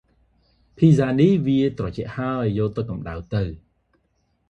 ភីហ្សានេះ វាត្រជាក់ហើយ យកទៅកំដៅទៅ ។